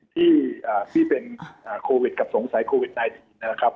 ที่เป็นโควิดกับสงสัยโควิด๑๙นะครับ